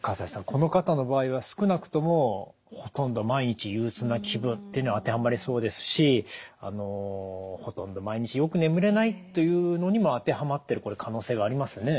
この方の場合は少なくともほとんど毎日憂鬱な気分っていうのは当てはまりそうですしほとんど毎日よく眠れないっていうのにも当てはまってるこれ可能性がありますね？